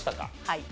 はい。